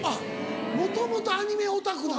もともとアニメオタクなんだ。